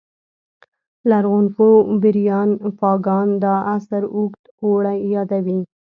لرغونپوه بریان فاګان دا عصر اوږد اوړی یادوي